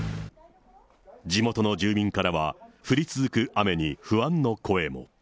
地元の住民からは、降り続く雨に不安の声も。